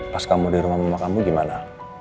pas kamu di rumah rumah kamu gimana